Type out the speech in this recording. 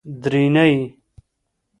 درېنۍ